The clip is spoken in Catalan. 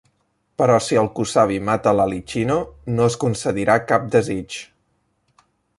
Però si el kusabi mata l'alichino, no es concedirà cap desig.